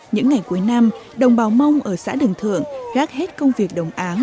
những ngày cuối năm đồng bào mông ở xã đường thượng rác hết công việc đồng án